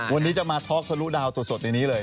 วันนี้จะมาทอลลูดาวตัวสดอย่างนี้เลย